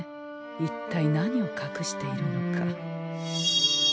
一体何をかくしているのか。